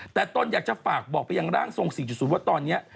แต่ตนอยากจะฝากบอกไปยังร่างทรง๔๐ว่าตอนนี้